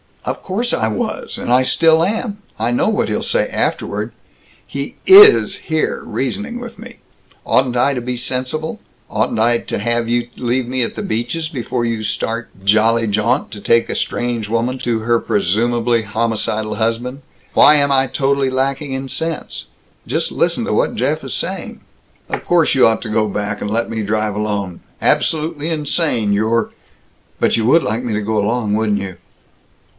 "Of course I was! And I still am! I know what he'll say afterward! He is here, reasoning with me. Oughtn't I to be sensible? Oughtn't I to have you leave me at the Beaches' before you start jolly jaunt to take a strange woman to her presumably homicidal husband! Why am I totally lacking in sense? Just listen to what Jeff is saying!" "Of course you ought to go back, and let me drive alone. Absolutely insane, your " "But you would like me to go along, wouldn't you!"